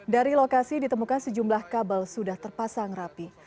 dari lokasi ditemukan sejumlah kabel sudah terpasang rapi